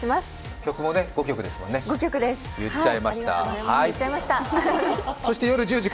曲も５曲です、言っちゃいました。